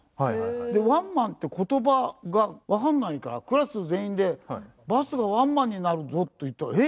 でワンマンって言葉がわかんないからクラス全員でバスがワンマンになるぞと言ったらえっ？